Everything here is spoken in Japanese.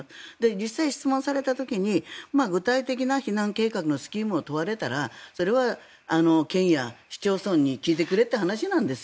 実際、質問された時に具体的な避難計画のスキームを問われたらそれは県や市町村に聞いてくれという話なんです。